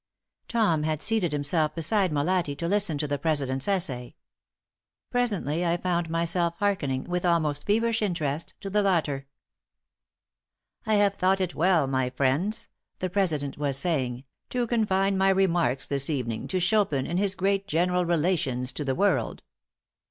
Tom had seated himself beside Molatti to listen to the president's essay. Presently, I found myself hearkening, with almost feverish interest, to the latter. "I have thought it well, my friends," the president was saying, "to confine my remarks this evening to Chopin in his great general relations to the world.